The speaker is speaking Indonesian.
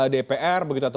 dpr begitu atau